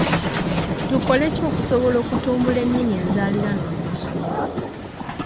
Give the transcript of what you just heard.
Tukole ki okusobola okutumbula ennimi enzaaliranwa mu masomero?